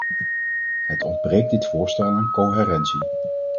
Het ontbreekt dit voorstel aan coherentie.